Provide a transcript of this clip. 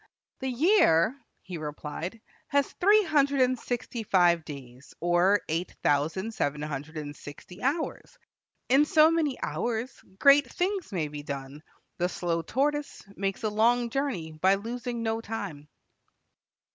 "The year," he replied, "has three hundred and sixty five days, or eight thousand seven hundred and sixty hours. In so many hours great things may be done; the slow tortoise makes a long journey by losing no time."